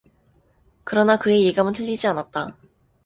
그러나 그의 예감은 틀리지 않았다.